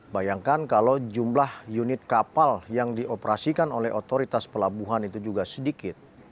bayangkan kalau jumlah unit kapal yang dioperasikan oleh otoritas pelabuhan itu juga sedikit